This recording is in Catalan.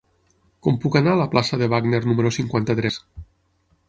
Com puc anar a la plaça de Wagner número cinquanta-tres?